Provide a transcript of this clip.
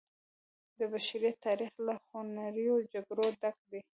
د بشریت تاریخ له خونړیو جګړو ډک دی.